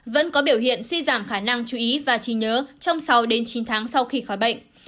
vẫn có biểu hiện suy giảm khả năng chú ý và trí nhớ trong sáu đến chín tháng sau khi khỏi bệnh